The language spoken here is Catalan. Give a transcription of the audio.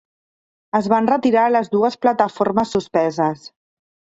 Es van retirar les dues plataformes suspeses.